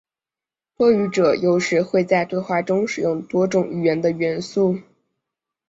多语者有时会在对话中使用多种语言的元素。